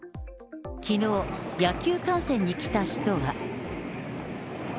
きのう、野球観戦に来た人は。